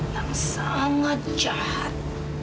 yang sangat jahat